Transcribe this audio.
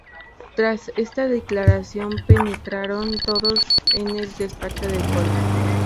Tras esta aclaración, penetraron todos en el despacho de Polk.